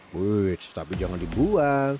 but tapi jangan dibuang